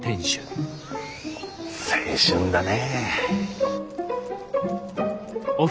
青春だね。